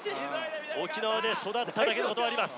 沖縄で育っただけのことはあります